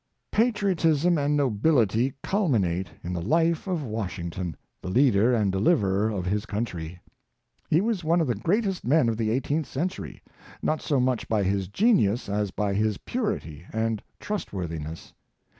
Patriotism and nobility culminate in the life of Washington, the leader and deliverer of his country. He was one of the greatest men of the eighteenth cen tury— not so much by his genius as by his purity and trustworthiness.